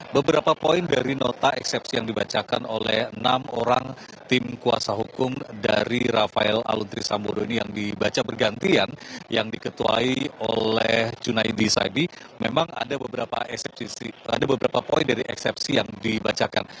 beberapa poin dari nota eksepsi yang dibacakan oleh enam orang tim kuasa hukum dari rafael aluntri sambodo ini yang dibaca bergantian yang diketuai oleh junaidi saibi memang ada beberapa poin dari eksepsi yang dibacakan